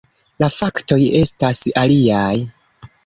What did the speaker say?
La faktoj estas aliaj.